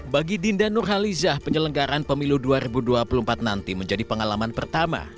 bagi dinda nurhalizah penyelenggaran pemilu dua ribu dua puluh empat nanti menjadi pengalaman pertama